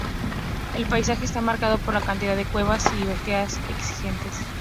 El paisaje está marcado por la cantidad de cuevas y oquedades existentes.